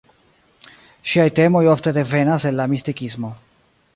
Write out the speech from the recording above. Ŝiaj temoj ofte devenas el la mistikismo.